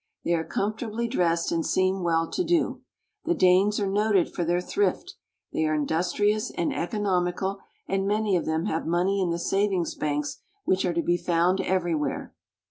They are comfortably dressed and seem well to do. The Danes are noted for their thrift ; they are industrious and economical, and many of them have money in the savings banks, which are to be found everywhere.